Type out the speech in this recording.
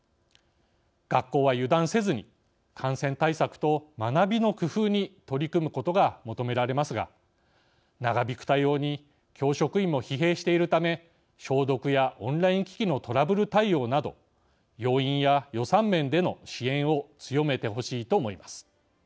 学校は、油断せずに感染対策と学びの工夫に取り組むことが求められますが長引く対応に教職員も疲弊しているため消毒やオンライン機器のトラブル対応など要員や予算面での支援を強めてほしいと思います。